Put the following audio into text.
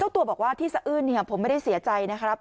ตัวบอกว่าที่สะอื้นผมไม่ได้เสียใจนะครับ